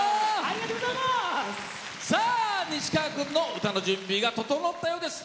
さあ、西川君の歌の準備が整ったようです。